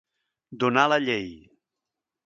Donar la llei.